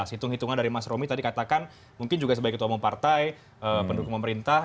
hitung hitungan dari mas romi tadi katakan mungkin juga sebagai ketua umum partai pendukung pemerintah